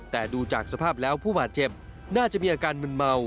แต่ดูจากสภาพแล้วผู้บาดเจ็บน่าจะมีอาการมึนเมา